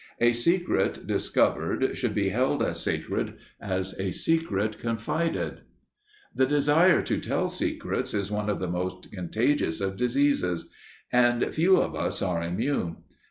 A secret discovered should be held as sacred as a secret confided. The desire to tell secrets is one of the most contagious of diseases, and few of us are immune.